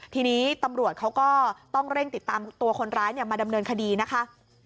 ทีนี้ตำรวจเขาก็ต้องเร่งติดตามตัวคนร้ายมาดำเนินคดีนะคะ